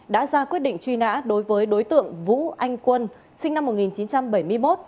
đã ra quyết định truy nã đối với đối tượng vũ anh quân sinh năm một nghìn chín trăm bảy mươi một